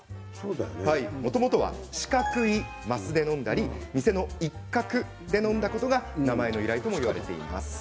もとは四角い升で飲んだり店の一角で飲んだことが名前の由来ともいわれています。